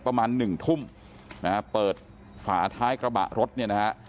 ประมาณหนึ่งทุ่มนะฮะเปิดฝาท้ายกระบะรถเนี่ยนะฮะ